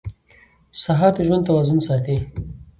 سهار د ژوند توازن ساتي.